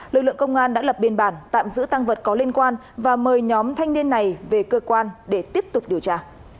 lực lượng công an đã lập biên bản tạm giữ tăng vật có liên quan và mời nhóm thanh niên này về cơ quan để tiếp tục điều tra